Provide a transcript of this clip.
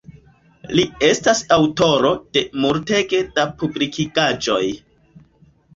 Li estas aŭtoro de multege da publikigaĵoj.